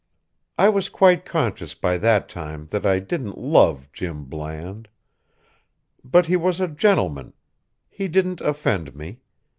I was quite conscious by that time that I didn't love Jim Bland. But he was a gentleman. He didn't offend me.